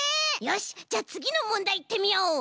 よしじゃあつぎのもんだいいってみよう！